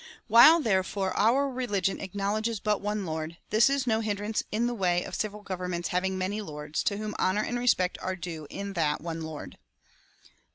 While, therefore, our religion acknowledges but one Lord, this is no hindrance in the way of civil governments having many lords, to whom honour and respect are due in that one Lord.